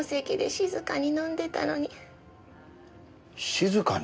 静かに？